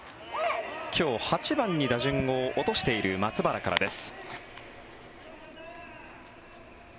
今日、８番に打順を落としている松原からです。